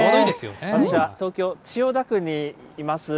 私は東京・千代田区にいます。